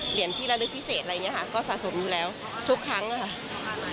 ที่ระลึกพิเศษอะไรอย่างนี้ค่ะก็สะสมอยู่แล้วทุกครั้งค่ะ